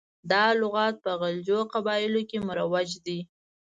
دا لغات په غلجو قبایلو کې مروج دی.